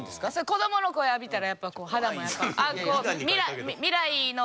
子どもの声浴びたらやっぱこう肌も。